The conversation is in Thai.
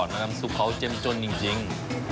เพราะว่าน้ำซุปเค้าเจ็มจนจริง